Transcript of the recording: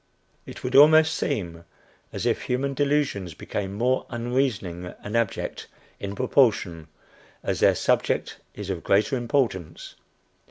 It would almost seem as if human delusions became more unreasoning and abject in proportion as their subject is of greater importance.